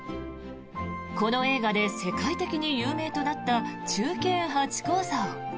この映画で世界的に有名となった忠犬ハチ公像。